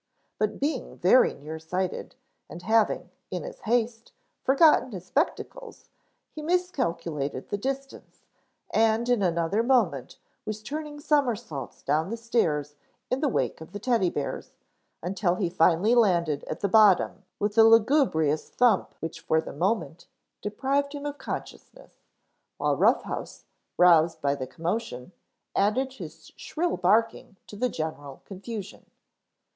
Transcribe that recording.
But being very near sighted and having, in his haste, forgotten his spectacles, he miscalculated the distance, and in another moment was turning somersaults down the stairs in the wake of the Teddy bears, until he finally landed at the bottom with a lugubrious thump which for the moment deprived him of consciousness, while Rough House, roused by the commotion, added his shrill barking to the general confusion.